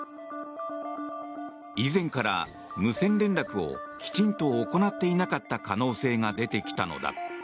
以前から無線連絡をきちんと行っていなかった可能性が出てきたのだ。